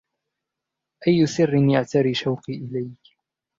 أي سرّ يعتري شوقي إليك